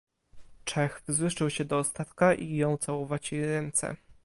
"Czech wzruszył się do ostatka i jął całować jej ręce."